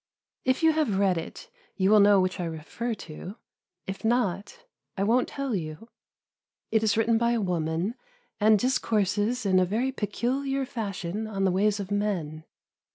If you have read it you will know which I refer to; if not, I won't tell you. It is written by a woman, and discourses in a very peculiar fashion on the ways of men.